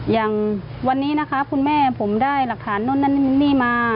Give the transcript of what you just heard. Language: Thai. อย่างวันนี้นะคะคุณแม่ผมได้หลักฐานนู่นนั่นนี่มา